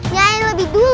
nyanyi yang lebih duit